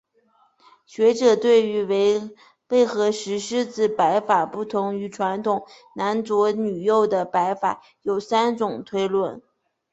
学者对于为何石狮子摆法不同于传统男左女右的摆法有三种推论。